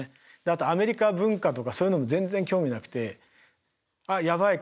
あとアメリカ文化とかそういうのも全然興味なくて「あっやばい。